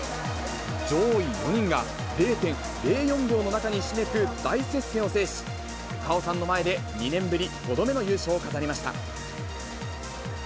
上位４人が０．０４秒の中にひしめく大接戦を制し、果緒さんの前で２年ぶり５度目の優勝を飾りました。